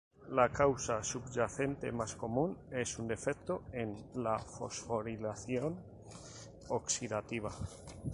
La causa subyacente más común es un defecto en la fosforilación oxidativa.